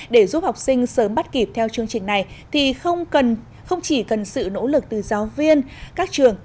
để giúp học sinh sớm bắt kịp theo chương trình này thì không chỉ cần sự nỗ lực từ giáo viên các trường